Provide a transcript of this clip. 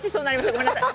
ごめんなさい。